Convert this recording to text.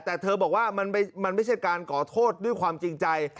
แต่เธอบอกว่ามันไม่ใช่การขอโทษด้วยความจริงใจ